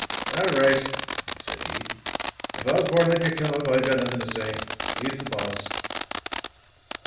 "All right," said he, "if Osborne let you come up I've got nothing to say. He's the boss."